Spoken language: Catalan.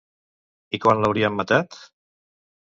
I quan l'haurien matat?